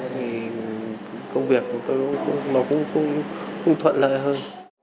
thì công việc của tôi nó cũng thuận lợi hơn